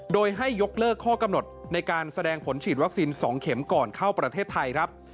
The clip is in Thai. โดยให้ยกเลิกข้อกำหนดในการแสดงผลฉีดวัคซีน๒เข็มก่อนเข้าประเทศไทยครับ